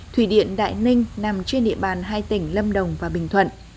thủy điện đại ninh nằm trên địa bàn hai tỉnh lâm đồng và bình thuận